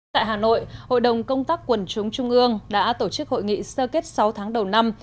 tại hà nội hội đồng công tác quần chúng trung ương đã tổ chức hội nghị sơ kết sáu tháng đầu năm